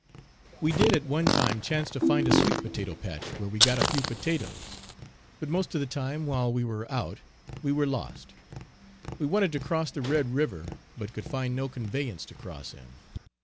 We did at one time chance to find a sweet potato patch where we got a few potatoes; but most of the time, while we were out, we were lost. We wanted to cross the Red river but could find no conveyance to cross in.